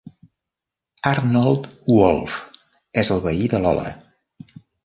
Arnold Wolf: és el veí de Lola.